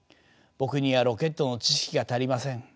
僕にはロケットの知識が足りません。